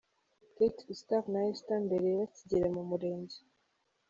Kate Gustave na Esther mbere bakigera mu Murenge.